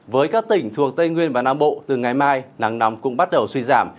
với các tỉnh thuộc tây nguyên và nam bộ từ ngày mai nắng nóng cũng bắt đầu suy giảm